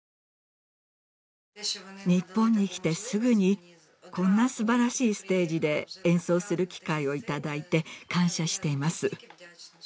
日本に来てすぐにこんなすばらしいステージで演奏する機会を頂いて感謝しています。